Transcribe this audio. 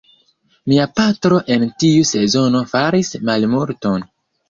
Mia patro en tiu sezono faris malmulton.